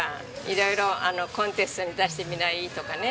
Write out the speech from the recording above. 色々コンテストに出してみない？とかね